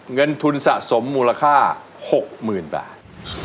เงินทุนสะสมมูลค่า๖๐๐๐บาท